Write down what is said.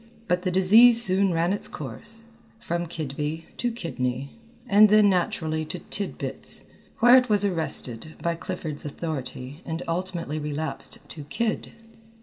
But the disease soon ran its course from "Kidby" to "Kidney," and then naturally to "Tidbits," where it was arrested by Clifford's authority and ultimately relapsed to "Kid."